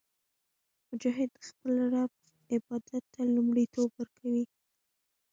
مجاهد د خپل رب عبادت ته لومړیتوب ورکوي.